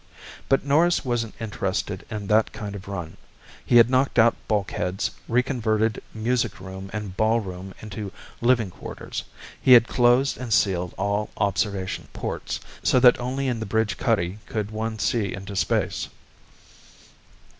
But Norris wasn't interested in that kind of run. He had knocked out bulkheads, reconverted music room and ballroom into living quarters. He had closed and sealed all observation ports, so that only in the bridge cuddy could one see into space.